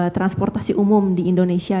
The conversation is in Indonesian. transportasi umum di indonesia